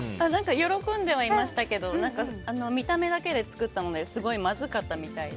喜んではいましたけど何か見た目だけで作ったのですごいまずかったみたいで。